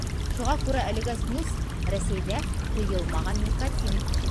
Шуға күрә әлегә снюс - Рәсәйҙә тыйылмаған никотин.